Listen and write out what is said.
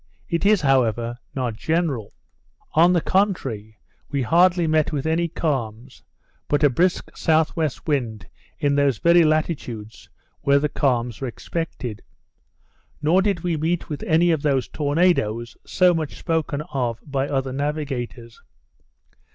It is, however, not general. On the contrary, we hardly met with any calms; but a brisk S.W. wind in those very latitudes where the calms are expected. Nor did we meet with any of those tornadoes, so much spoken of by other navigators.